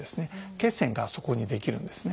血栓がそこに出来るんですね。